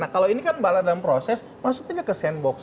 kalau ini bala dalam proses masuk saja ke sandbox